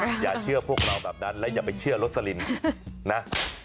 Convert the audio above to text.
แล้วอย่าไปเชื่อโรสลินนะ